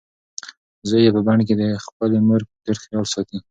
زوی یې په بن کې د خپلې مور ډېر خیال ساتي.